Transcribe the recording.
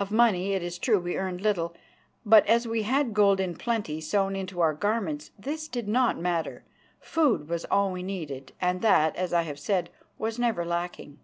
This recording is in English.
Of money it is true we earned little, but as we had gold in plenty sewn into our garments this did not matter. Food was all we needed, and that, as I have said, was never lacking.